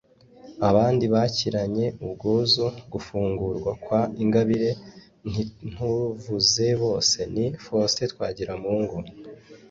Abandi bakiranye ubwuzu gufungurwa kwa Ingabire (ntintuvuze bose) ni Faustin Twagiramungu